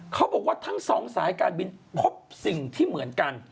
เขาบอกว่าทั้งสองสายการบินพบสิ่งที่เหมือนกัน